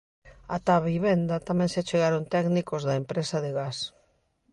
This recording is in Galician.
Ata a vivenda tamén se achegaron técnicos da empresa de gas.